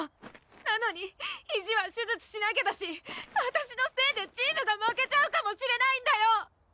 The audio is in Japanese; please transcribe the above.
なのにひじは手術しなきゃだしわたしのせいでチームが負けちゃうかもしれないんだよ！